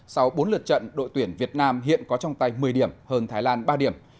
sau bốn lượt trận đội tuyển việt nam hiện có trong tay một mươi điểm hơn thái lan ba điểm